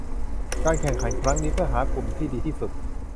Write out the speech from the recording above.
การแข่งขันครั้งนี้เพื่อหากลุ่มที่ดีที่สุด